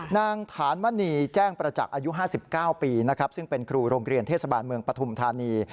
นางฐานมณีแจ้งประจักษ์อายุ๕๙ปีนะครับซึ่งเป็นครูโรงเรียนเทศบาลเมืองปฐุมธานี